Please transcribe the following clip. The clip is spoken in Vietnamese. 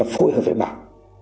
phối hợp với bản